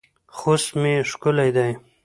خوست مې ښکلی دی